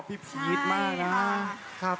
พี่พีชมากนะ